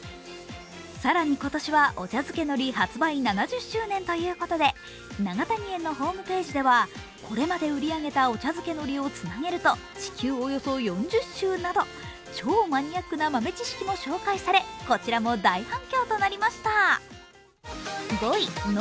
更に今年はお茶づけ海苔発売７０周年ということで永谷園のホームページではこれまで売り上げたお茶づけ海苔をつなげると地球およそ４０周分など、超マニアックな豆知識も紹介され、こちらも大反響となりました。